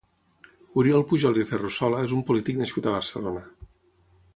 Oriol Pujol i Ferrusola és un polític nascut a Barcelona.